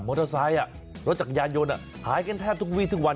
มอเตอร์ไซส์รถจักรยานยนต์หายแต่แทบทุกวิทย์ทุกวัน